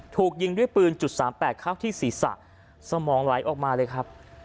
ถูกยิงด้วยปืน๓๘เข้าที่ศีรษะสมองไหลออกมาเลยครับ